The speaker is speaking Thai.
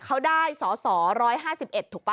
เขาได้สอสอ๑๕๑ถูกป่ะ